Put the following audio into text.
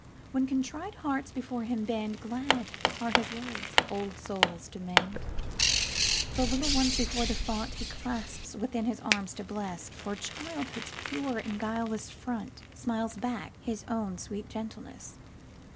When contrite hearts before him bend, Glad are his words, "Old souls to mend!"The little ones before the fontHe clasps within his arms to bless; For Childhood's pure and guileless frontSmiles back his own sweet gentleness.